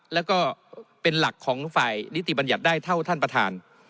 แล้วก็เป็นหลักของฝ่ายนิติบัญญัติได้เท่าท่านประธาน